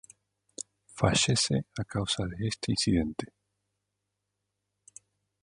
Fallece a causa de este incidente.